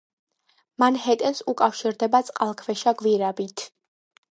მანჰეტენს უკავშირდება წყალქვეშა გვირაბით.